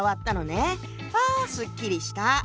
あすっきりした。